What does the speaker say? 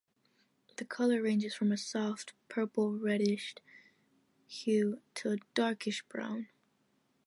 The color ranges from a soft purple-reddish hue to darkish brown.